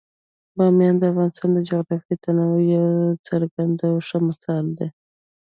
بامیان د افغانستان د جغرافیوي تنوع یو څرګند او ښه مثال دی.